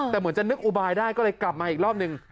แต่เหมือนจะนึกอุบายได้ก็เลยกลับมาอีกรอบนึง